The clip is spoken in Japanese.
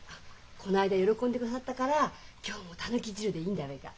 こないだ喜んでくださったから今日もタヌキ汁でいいんだべか？